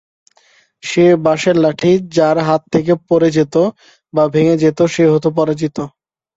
সে বাঁশের লাঠি যার হাত থেকে পরে যেত বা ভেঙে যেত সে হত পরাজিত।